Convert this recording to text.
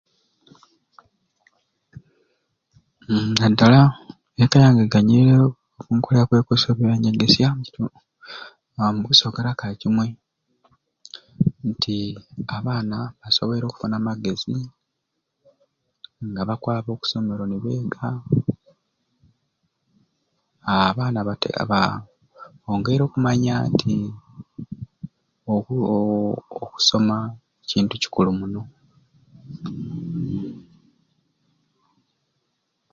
Uumm nadala eka yange eganyiirwe omu nkola okwekusa oku byanyegesya aa omu kusokera kakimwei nti abaana basoboire okufuna amagezi nga bakwaba oku somero ne beega aa abaana aa bongeire okumanya nti oku oo okusoma kintu kikulu muno.